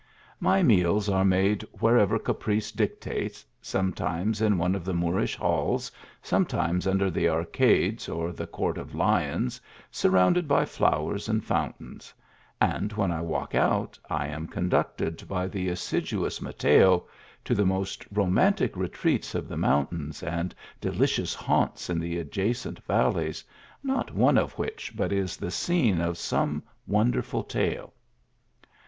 My meals are made wherever caprice dictates, some times in one of the Moorish halls, sometimes under the arcades of the Court of Lions, surrounded by flowers and fountains ; and when I walk out I am conducted by the assiduous Mateo to the most ro mantic retreats of the mountains and delicious haunts of the adjacent valleys, not one of which but is the scene of some wonderful tale.